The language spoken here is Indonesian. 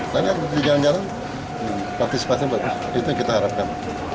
tinggal partisipasi bagus itu yang kita harapkan